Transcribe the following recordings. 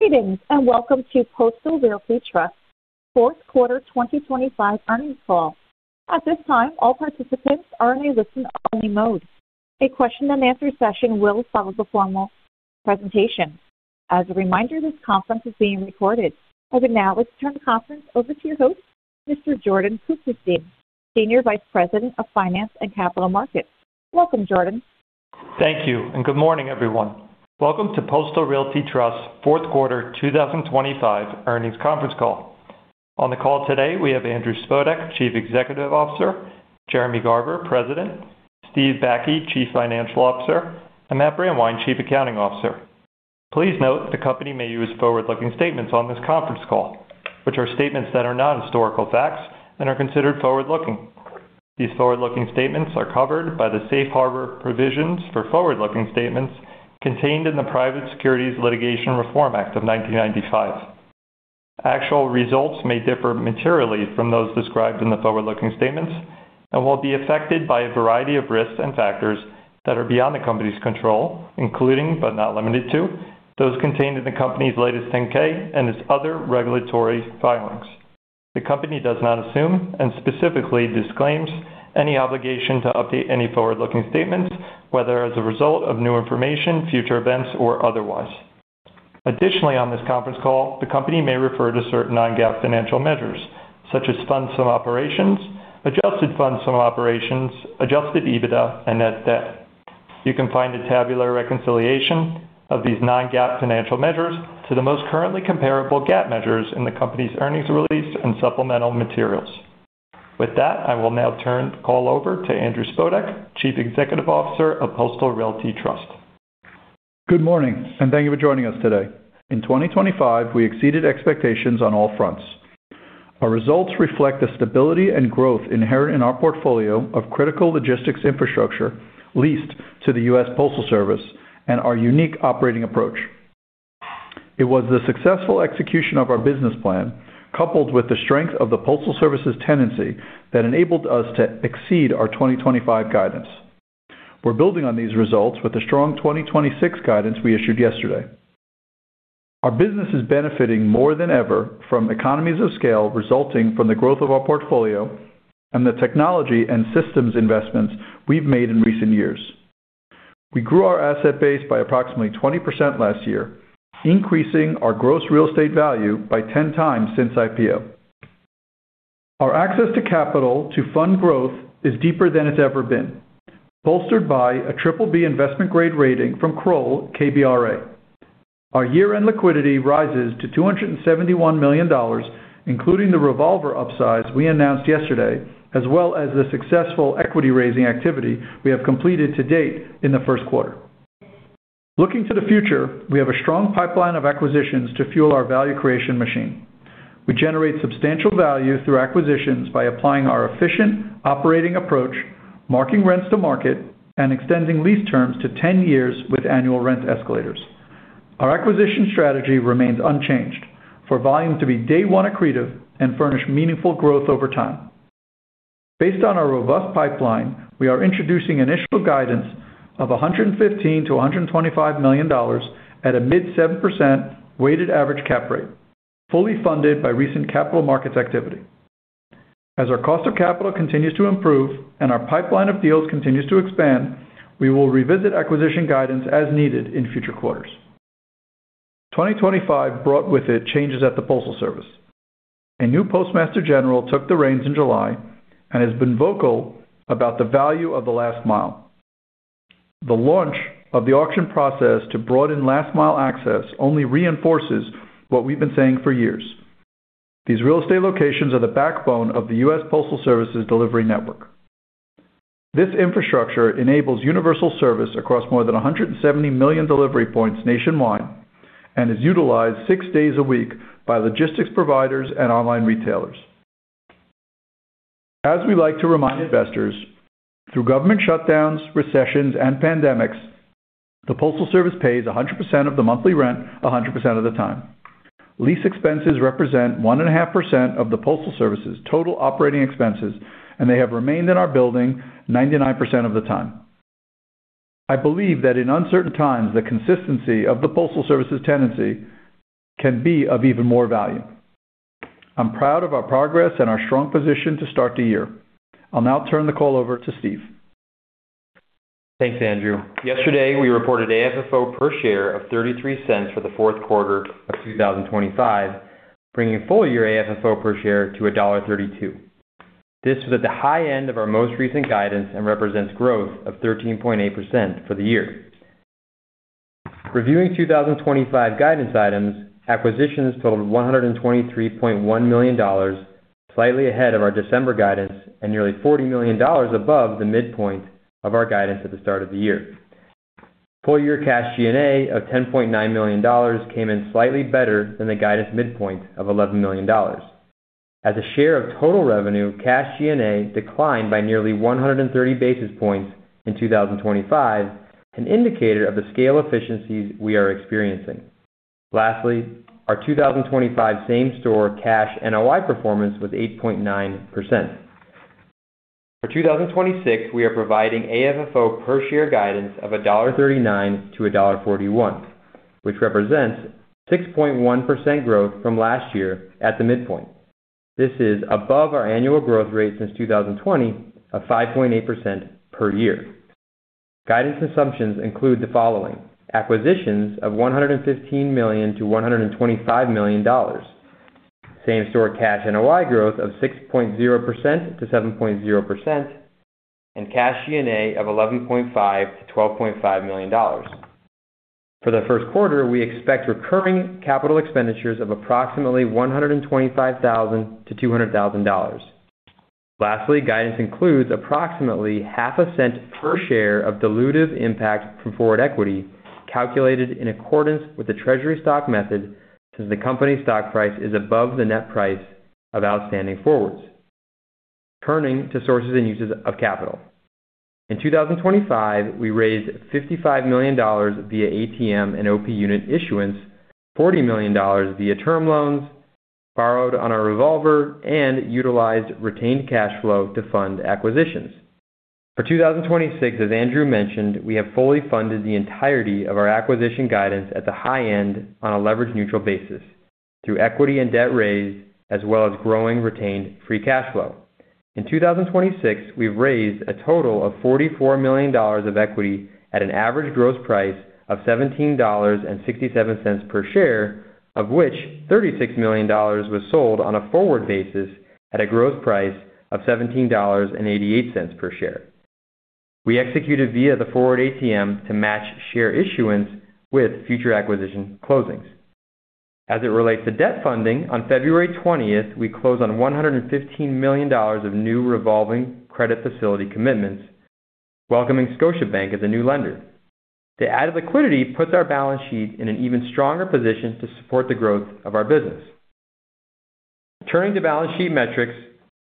Greetings, welcome to Postal Realty Trust Fourth Quarter 2025 Earnings Call. At this time, all participants are in a listen-only mode. A question and answer session will follow the formal presentation. As a reminder, this conference is being recorded. Now, let's turn the conference over to your host, Mr. Jordon Cooperstein, Senior Vice President of Finance and Capital Markets. Welcome, Jordan. Thank you, and good morning, everyone. Welcome to Postal Realty Trust Fourth Quarter 2025 Earnings Conference Call. On the call today, we have Andrew Spodek, Chief Executive Officer, Jeremy Garber, President, Steve Bakke, Chief Financial Officer, and Matt Brandwein, Chief Accounting Officer. Please note, the company may use forward-looking statements on this conference call, which are statements that are not historical facts and are considered forward-looking. These forward-looking statements are covered by the safe harbor provisions for forward-looking statements contained in the Private Securities Litigation Reform Act of 1995. Actual results may differ materially from those described in the forward-looking statements and will be affected by a variety of risks and factors that are beyond the company's control, including, but not limited to, those contained in the company's latest 10-K and its other regulatory filings. The company does not assume, and specifically disclaims, any obligation to update any forward-looking statements, whether as a result of new information, future events, or otherwise. Additionally, on this conference call, the company may refer to certain non-GAAP financial measures such as funds from operations, adjusted funds from operations, adjusted EBITDA, and net debt. You can find a tabular reconciliation of these non-GAAP financial measures to the most currently comparable GAAP measures in the company's earnings release and supplemental materials. With that, I will now turn the call over to Andrew Spodek, Chief Executive Officer of Postal Realty Trust. Good morning, and thank you for joining us today. In 2025, we exceeded expectations on all fronts. Our results reflect the stability and growth inherent in our portfolio of critical logistics infrastructure leased to the United States Postal Service and our unique operating approach. It was the successful execution of our business plan, coupled with the strength of the Postal Service's tenancy, that enabled us to exceed our 2025 guidance. We're building on these results with the strong 2026 guidance we issued yesterday. Our business is benefiting more than ever from economies of scale, resulting from the growth of our portfolio and the technology and systems investments we've made in recent years. We grew our asset base by approximately 20% last year, increasing our gross real estate value by 10 times since IPO. Our access to capital to fund growth is deeper than it's ever been, bolstered by a triple B investment grade rating from Kroll KBRA. Our year-end liquidity rises to $271 million, including the revolver upsides we announced yesterday, as well as the successful equity-raising activity we have completed to date in the first quarter. Looking to the future, we have a strong pipeline of acquisitions to fuel our value creation machine. We generate substantial value through acquisitions by applying our efficient operating approach, marking rents to market, and extending lease terms to 10 years with annual rent escalators. Our acquisition strategy remains unchanged for volume to be day one accretive and furnish meaningful growth over time. Based on our robust pipeline, we are introducing initial guidance of $115 million-$125 million at a mid-7% weighted average cap rate, fully funded by recent capital markets activity. As our cost of capital continues to improve and our pipeline of deals continues to expand, we will revisit acquisition guidance as needed in future quarters. 2025 brought with it changes at the Postal Service. A new Postmaster General took the reins in July and has been vocal about the value of the last mile. The launch of the auction process to broaden last mile access only reinforces what we've been saying for years. These real estate locations are the backbone of the US Postal Service's delivery network. This infrastructure enables universal service across more than 170 million delivery points nationwide and is utilized six days a week by logistics providers and online retailers. As we like to remind investors, through government shutdowns, recessions, and pandemics, the Postal Service pays 100% of the monthly rent 100% of the time. Lease expenses represent 1.5% of the Postal Service's total operating expenses. They have remained in our building 99% of the time. I believe that in uncertain times, the consistency of the Postal Service's tenancy can be of even more value. I'm proud of our progress and our strong position to start the year. I'll now turn the call over to Steve. Thanks, Andrew. Yesterday, we reported AFFO per share of $0.33 for Q4 2025, bringing full year AFFO per share to $1.32. This was at the high end of our most recent guidance and represents growth of 13.8% for the year. Reviewing 2025 guidance items, acquisitions totaled $123.1 million, slightly ahead of our December guidance and nearly $40 million above the midpoint of our guidance at the start of the year. Full year cash G&A of $10.9 million came in slightly better than the guidance midpoint of $11 million. As a share of total revenue, cash G&A declined by nearly 130 basis points in 2025, an indicator of the scale efficiencies we are experiencing. Our 2025 same-store cash NOI performance was 8.9%. For 2026, we are providing AFFO per share guidance of $1.39-$1.41, which represents 6.1% growth from last year at the midpoint. This is above our annual growth rate since 2020 of 5.8% per year. Guidance assumptions include the following: acquisitions of $115 million-$125 million, same-store cash NOI growth of 6.0%-7.0%, and cash G&A of $11.5 million-$12.5 million. For the first quarter, we expect recurring capital expenditures of approximately $125,000-$200,000. Lastly, guidance includes approximately half a cent per share of dilutive impact from forward equity, calculated in accordance with the treasury stock method, since the company's stock price is above the net price of outstanding forwards. Turning to sources and uses of capital. In 2025, we raised $55 million via ATM and OP Unit issuance, $40 million via term loans, borrowed on our revolver, and utilized retained cash flow to fund acquisitions. For 2026, as Andrew mentioned, we have fully funded the entirety of our acquisition guidance at the high end on a leverage neutral basis, through equity and debt raise, as well as growing retained free cash flow. In 2026, we've raised a total of $44 million of equity at an average gross price of $17.67 per share, of which $36 million was sold on a forward basis at a gross price of $17.88 per share. We executed via the forward ATM to match share issuance with future acquisition closings. As it relates to debt funding, on February 20th, we closed on $115 million of new revolving credit facility commitments, welcoming Scotiabank as a new lender. The added liquidity puts our balance sheet in an even stronger position to support the growth of our business. Turning to balance sheet metrics,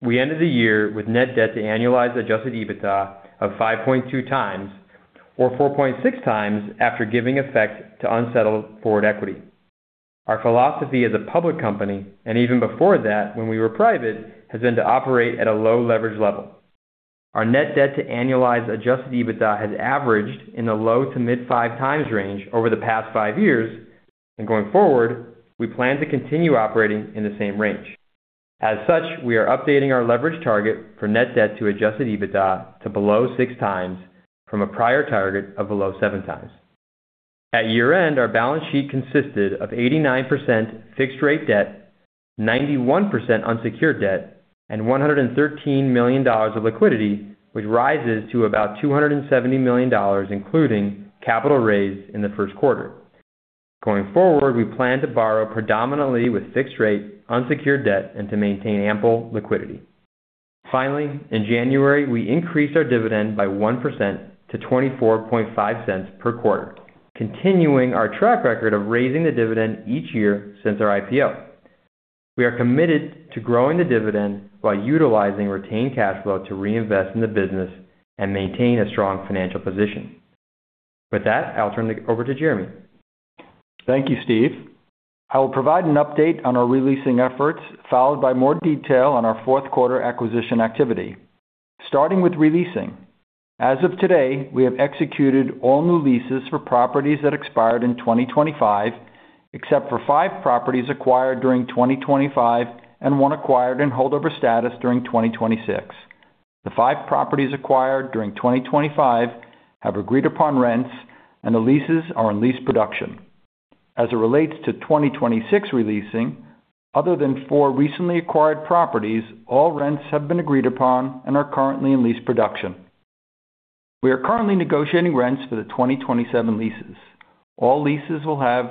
we ended the year with net debt to annualized adjusted EBITDA of 5.2 times or 4.6 times after giving effect to unsettled forward equity. Our philosophy as a public company, and even before that, when we were private, has been to operate at a low leverage level. Our net debt to annualized adjusted EBITDA has averaged in the low to mid 5x range over the past 5 years, and going forward, we plan to continue operating in the same range. As such, we are updating our leverage target for net debt to adjusted EBITDA to below 6x from a prior target of below 7x. At year-end, our balance sheet consisted of 89% fixed rate debt, 91% unsecured debt, and $113 million of liquidity, which rises to about $270 million, including capital raised in the first quarter. Going forward, we plan to borrow predominantly with fixed rate unsecured debt and to maintain ample liquidity. Finally, in January, we increased our dividend by 1% to $0.245 per quarter, continuing our track record of raising the dividend each year since our IPO. We are committed to growing the dividend while utilizing retained cash flow to reinvest in the business and maintain a strong financial position. With that, I'll turn it over to Jeremy. Thank you, Steve. I will provide an update on our re-leasing efforts, followed by more detail on our fourth quarter acquisition activity. Starting with re-leasing. As of today, we have executed all new leases for properties that expired in 2025, except for 5 properties acquired during 2025 and 1 acquired in holdover status during 2026. The 5 properties acquired during 2025 have agreed upon rents and the leases are in lease production. As it relates to 2026 re-leasing, other than 4 recently acquired properties, all rents have been agreed upon and are currently in lease production. We are currently negotiating rents for the 2027 leases. All leases will have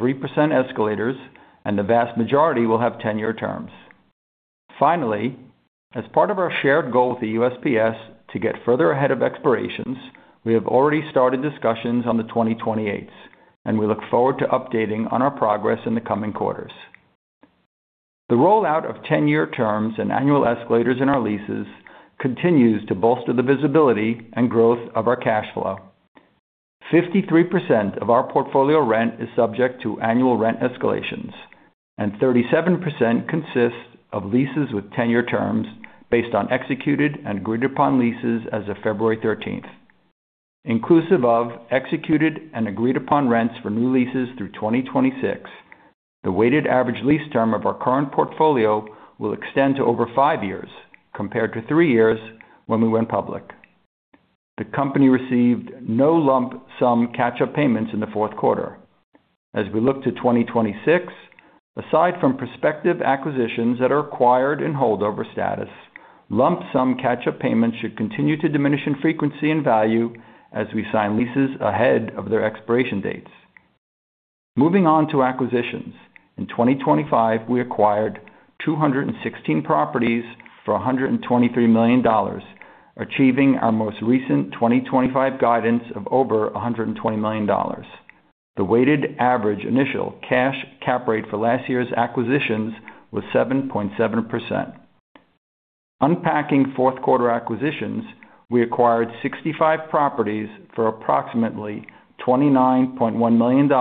3% escalators, and the vast majority will have 10-year terms. Finally, as part of our shared goal with the USPS to get further ahead of expirations, we have already started discussions on the 2028s, we look forward to updating on our progress in the coming quarters. The rollout of 10-year terms and annual escalators in our leases continues to bolster the visibility and growth of our cash flow. 53% of our portfolio rent is subject to annual rent escalations, 37% consists of leases with 10-year terms based on executed and agreed upon leases as of February 13th. Inclusive of executed and agreed upon rents for new leases through 2026, the weighted average lease term of our current portfolio will extend to over 5 years, compared to 3 years when we went public. The company received no lump sum catch-up payments in the fourth quarter. As we look to 2026, aside from prospective acquisitions that are acquired in holdover status, lump sum catch-up payments should continue to diminish in frequency and value as we sign leases ahead of their expiration dates. Moving on to acquisitions. In 2025, we acquired 216 properties for $123 million, achieving our most recent 2025 guidance of over $120 million. The weighted average initial cash cap rate for last year's acquisitions was 7.7%. Unpacking fourth quarter acquisitions, we acquired 65 properties for approximately $29.1 million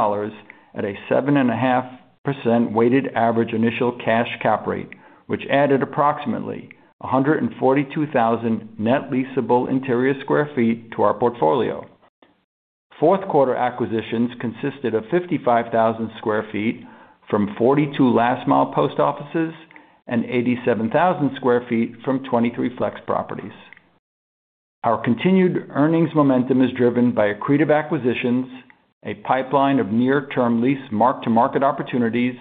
at a 7.5% weighted average initial cash cap rate, which added approximately 142,000 net leasable interior sq ft to our portfolio. Fourth quarter acquisitions consisted of 55,000 sq ft from 42 last mile post offices and 87,000 sq ft from 23 flex properties. Our continued earnings momentum is driven by accretive acquisitions, a pipeline of near-term lease mark-to-market opportunities,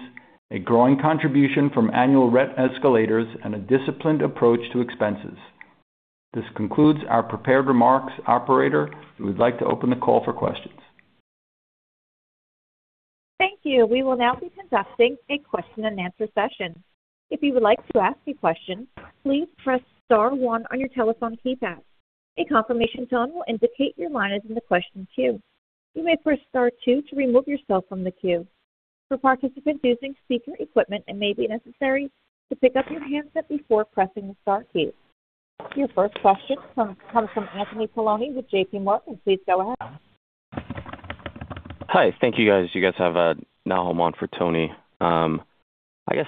a growing contribution from annual rent escalators, and a disciplined approach to expenses. This concludes our prepared remarks. Operator, we'd like to open the call for questions. Thank you. We will now be conducting a question-and-answer session. If you would like to ask a question, please press star one on your telephone keypad. A confirmation tone will indicate your line is in the question queue. You may press star two to remove yourself from the queue. For participants using speaker equipment, it may be necessary to pick up your handset before pressing the star key. Your first question comes from Anthony Paolone with J.P. Morgan. Please go ahead. Hi. Thank you, guys. You guys have, now I'm on for Tony. I guess,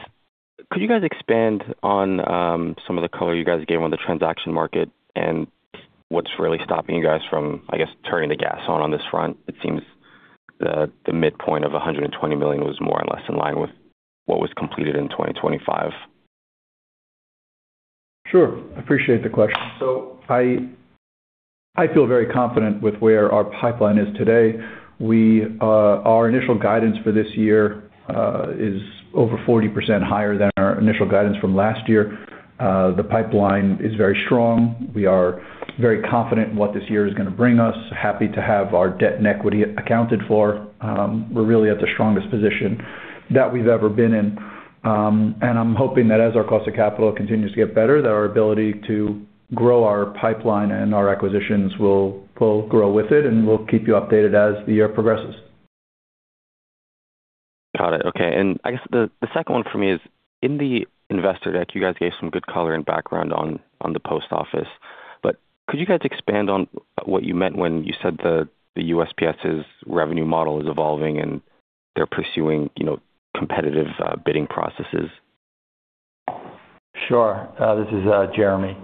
could you guys expand on, some of the color you guys gave on the transaction market and what's really stopping you guys from, I guess, turning the gas on on this front? It seems the midpoint of $120 million was more or less in line with what was completed in 2025. Sure. I appreciate the question. I feel very confident with where our pipeline is today. We, our initial guidance for this year is over 40% higher than our initial guidance from last year. The pipeline is very strong. We are very confident in what this year is gonna bring us. Happy to have our debt and equity accounted for. We're really at the strongest position that we've ever been in, and I'm hoping that as our cost of capital continues to get better, that our ability to grow our pipeline and our acquisitions will grow with it, and we'll keep you updated as the year progresses. Got it. Okay. I guess the second one for me is, in the investor deck, you guys gave some good color and background on the Post Office, could you guys expand on what you meant when you said the USPS's revenue model is evolving, and they're pursuing, competitive bidding processes? Sure. This is Jeremy.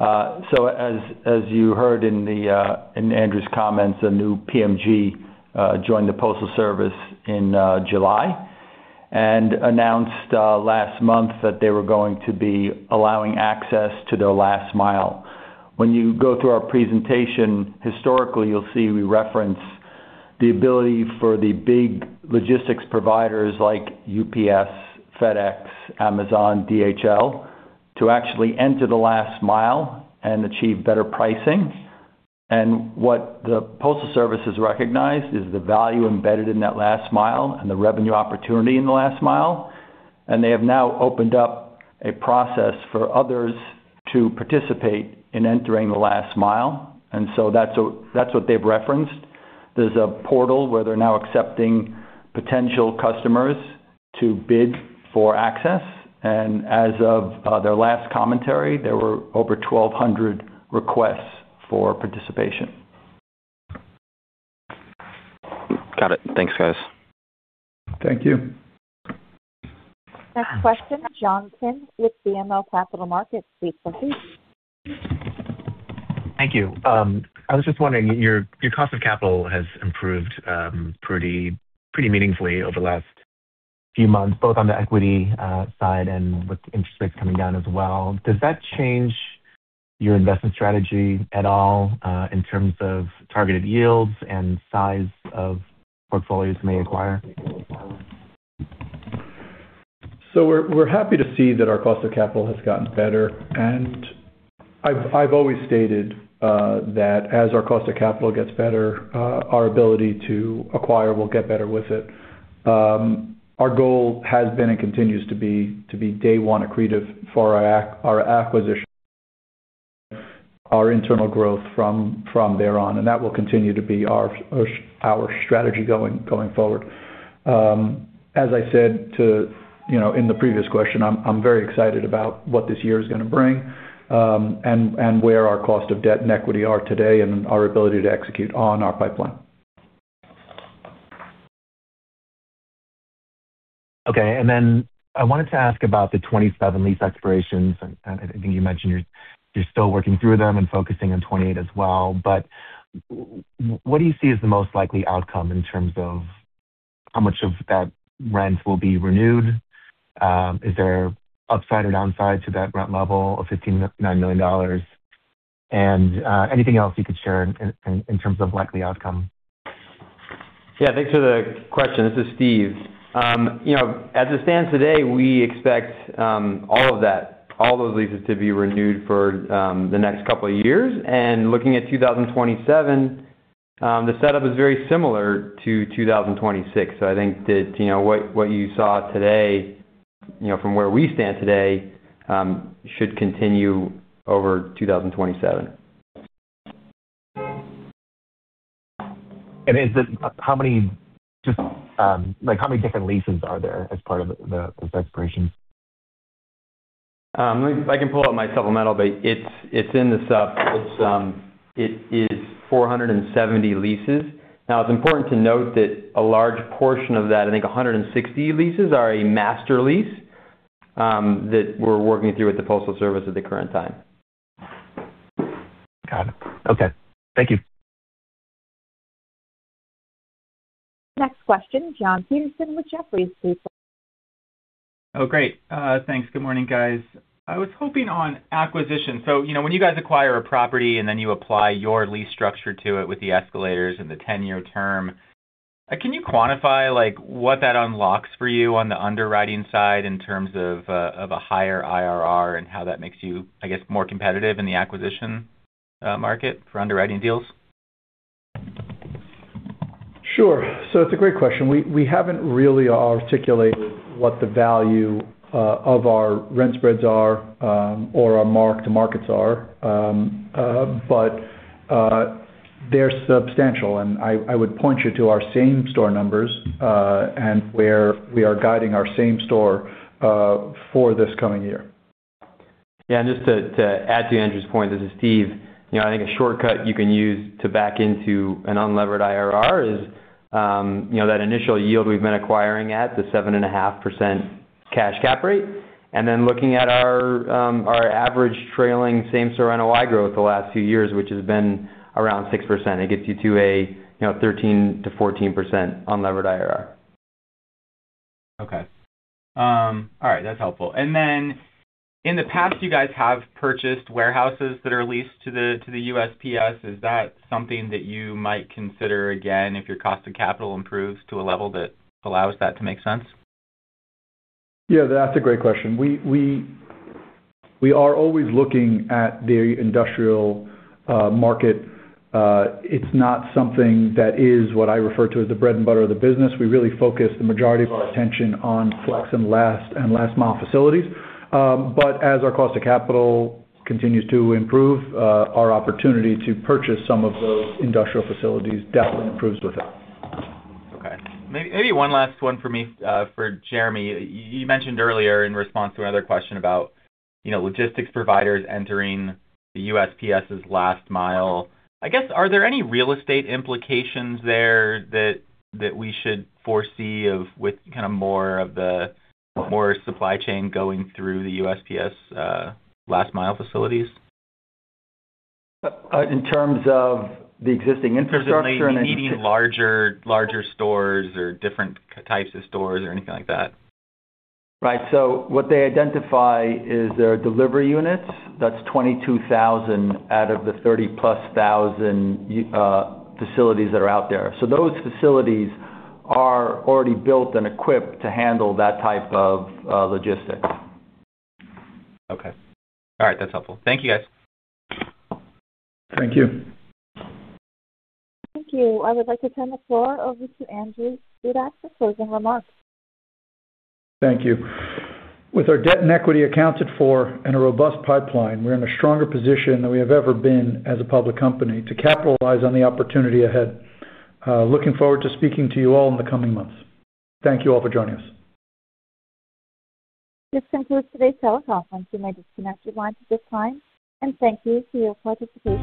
As you heard in Andrew's comments, a new PMG joined the Postal Service in July and announced last month that they were going to be allowing access to their last mile. When you go through our presentation, historically, you'll see we reference the ability for the big logistics providers like UPS, FedEx, Amazon, DHL, to actually enter the last mile and achieve better pricing. What the Postal Service has recognized is the value embedded in that last mile and the revenue opportunity in the last mile, they have now opened up a process for others to participate in entering the last mile, that's what they've referenced. There's a portal where they're now accepting potential customers to bid for access, and as of, their last commentary, there were over 1,200 requests for participation. Got it. Thanks, guys. Thank you. Next question, John Kim with BMO Capital Markets. Please proceed. Thank you. I was just wondering, your cost of capital has improved, pretty meaningfully over the last few months, both on the equity side and with interest rates coming down as well. Does that change your investment strategy at all, in terms of targeted yields and size of portfolios you may acquire? We're happy to see that our cost of capital has gotten better, and I've always stated that as our cost of capital gets better, our ability to acquire will get better with it. Our goal has been, and continues to be, to be day one accretive for our acquisition, our internal growth from thereon. That will continue to be our strategy going forward. As I said to, in the previous question, I'm very excited about what this year is gonna bring, and where our cost of debt and equity are today and our ability to execute on our pipeline. Okay. I wanted to ask about the 27 lease expirations, and I think you mentioned you're still working through them and focusing on 28 as well. What do you see as the most likely outcome in terms of how much of that rent will be renewed? Is there upside or downside to that rent level of $15.9 million? Anything else you could share in terms of likely outcome? Yeah, thanks for the question. This is Steve. As it stands today, we expect, all of that, all those leases to be renewed for, the next couple of years. Looking at 2027, the setup is very similar to 2026. I think that, what you saw today, from where we stand today, should continue over 2027. How many, just, like, how many different leases are there as part of the, those expirations? I can pull up my supplemental, but it's in the sup. It's, it is 470 leases. It's important to note that a large portion of that, I think 160 leases, are a master lease that we're working through with the Postal Service at the current time. Got it. Okay. Thank you. Next question, John Hecht with Jefferies, please. Great. Thanks. Good morning, guys. I was hoping on acquisition. When you guys acquire a property and then you apply your lease structure to it with the escalators and the 10-year term, can you quantify, like, what that unlocks for you on the underwriting side in terms of a higher IRR and how that makes you, I guess, more competitive in the acquisition market for underwriting deals? Sure. it's a great question. We haven't really articulated what the value of our rent spreads are or our mark-to-markets are, but they're substantial, and I would point you to our same store numbers and where we are guiding our same store for this coming year. Just to add to Andrew's point, this is Steve. I think a shortcut you can use to back into an unlevered IRR is that initial yield we've been acquiring at, the 7.5% cash cap rate, and then looking at our average trailing same-store NOI growth the last few years, which has been around 6%. It gets you to a 13%-14% unlevered IRR. Okay. All right, that's helpful. In the past, you guys have purchased warehouses that are leased to the, to the USPS. Is that something that you might consider again, if your cost of capital improves to a level that allows that to make sense? Yeah, that's a great question. We are always looking at the industrial market. It's not something that is what I refer to as the bread and butter of the business. We really focus the majority of our attention on flex and last mile facilities. As our cost of capital continues to improve, our opportunity to purchase some of those industrial facilities definitely improves with it. Okay. Maybe one last one for me, for Jeremy. You mentioned earlier in response to another question about logistics providers entering the USPS's last mile. I guess, are there any real estate implications there that we should foresee of with more of the supply chain going through the USPS last mile facilities? In terms of the existing infrastructure. Needing larger stores or different types of stores or anything like that. What they identify is their delivery units. That's 22,000 out of the 30-plus thousand facilities that are out there. Those facilities are already built and equipped to handle that type of logistics. Okay. All right. That's helpful. Thank you, guys. Thank you. Thank you. I would like to turn the floor over to Andrew Spodek for closing remarks. Thank you. With our debt and equity accounted for and a robust pipeline, we're in a stronger position than we have ever been as a public company to capitalize on the opportunity ahead. Looking forward to speaking to you all in the coming months. Thank you all for joining us. This concludes today's teleconference. You may disconnect your lines at this time, and thank you for your participation.